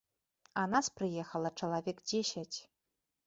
А нас прыехала чалавек дзесяць.